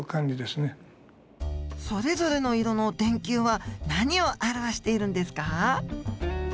それぞれの色の電球は何を表しているんですか？